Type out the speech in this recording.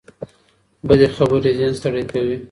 بدې خبرې ذهن ستړي کوي